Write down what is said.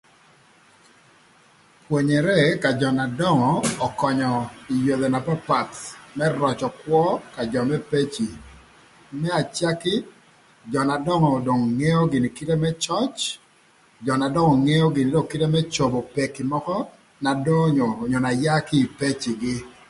Pwonyere ka jö na döngö ökönyö ï yodhe na papath më röcö kwö ka jö më peci. Më acaki, jö na döngö dong ngeo gïnï kite më cöc, jö na döngö ngeo gïnï dong kite më cobo peki mökö na donyo onyo n'aya kï ï pecigï.